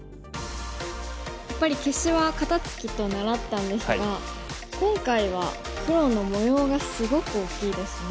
やっぱり消しは肩ツキと習ったんですが今回は黒の模様がすごく大きいですね。